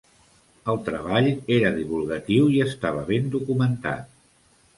El treball era divulgatiu i estava ben documentat.